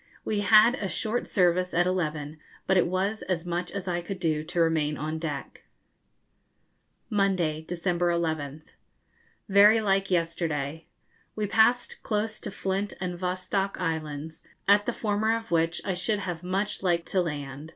We had a short service at eleven, but it was as much as I could do to remain on deck. Monday, December 11th. Very like yesterday. We passed close to Flint and Vostok Islands, at the former of which I should have much liked to land.